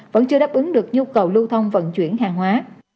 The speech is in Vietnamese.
vẫn chưa đáp ứng được nhu cầu lưu thông vận chuyển hàng hóa